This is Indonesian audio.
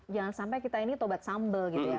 jangan sampai kita ini taubat sambel gitu ya